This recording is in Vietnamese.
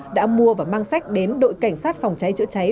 đã mua và mang sách đến đội cảnh sát phòng cháy chữa cháy